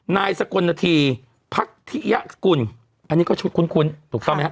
นายสกลนาทีพักธิยสกุลอันนี้ก็ชุดคุ้นถูกต้องไหมครับ